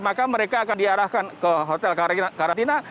maka mereka akan diarahkan ke hotel karantina